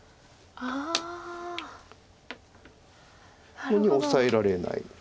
これにオサえられない。